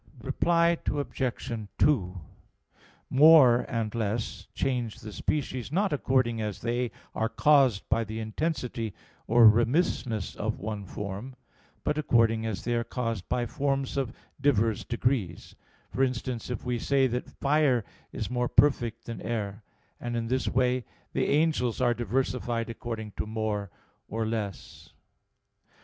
Reply Obj. 2: More and less change the species, not according as they are caused by the intensity or remissness of one form, but according as they are caused by forms of diverse degrees; for instance, if we say that fire is more perfect than air: and in this way the angels are diversified according to more or less.